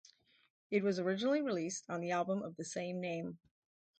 It was originally released on the album of the same name.